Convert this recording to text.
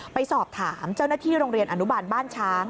ไปสอบถามเจ้าหน้าที่โรงเรียนอนุบาลบ้านช้าง